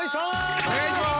◆お願いします。